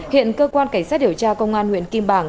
hiện cơ quan cảnh sát điều tra công an huyện kim bảng